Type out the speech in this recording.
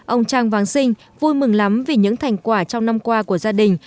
ông trang văn sinh vui mừng lắm vì những thành quả trong năm qua của gia đình